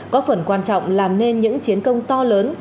có phần quan trọng làm nên những chiến công to lớn